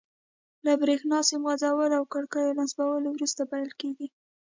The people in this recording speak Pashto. له بریښنا سیم غځولو او کړکیو نصبولو وروسته پیل کیږي.